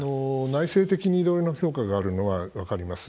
内政的に、いろいろな評価があるのは分かります。